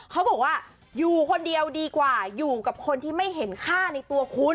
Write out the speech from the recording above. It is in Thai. เขาบอกว่าอยู่คนเดียวดีกว่าอยู่กับคนที่ไม่เห็นค่าในตัวคุณ